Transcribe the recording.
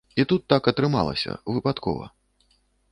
І тут так атрымалася, выпадкова.